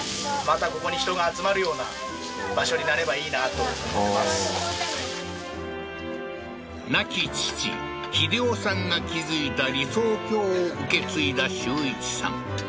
とりあえずまあ亡き父英夫さんが築いた理想郷を受け継いだ修一さん